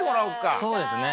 そうですね。